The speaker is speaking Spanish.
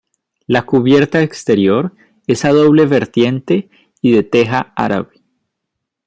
La cubierta exterior es a doble vertiente y de teja árabe.